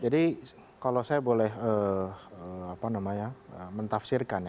jadi kalau saya boleh mentafsirkan